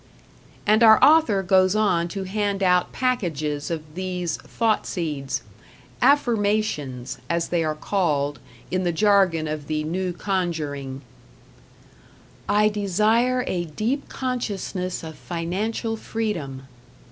And our author goes on to hand out packages of these thought seeds "Affirmations" as they are called, in the jargon of the New Conjuring: I desire a deep consciousness of financial freedom.